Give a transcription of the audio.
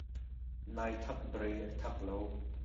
Nai thakbare a thak lo.